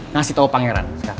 ngasih tau pangeran